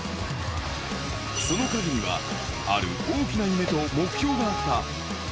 その陰には、ある大きな夢と目標があった。